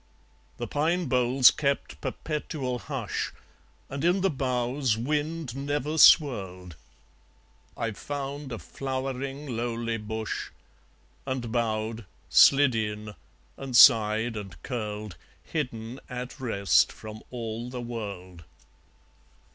The pine boles kept perpetual hush; And in the boughs wind never swirled. I found a flowering lowly bush, And bowed, slid in, and sighed and curled, Hidden at rest from all the world.